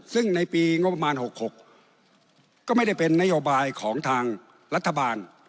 ซึ่งในปีงบประมาณ๖๖ก็ไม่ได้เป็นนโยบายของทางรัฐบาล